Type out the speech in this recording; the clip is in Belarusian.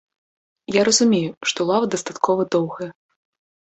Я разумею, што лава дастаткова доўгая.